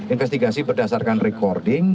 investigasi berdasarkan recording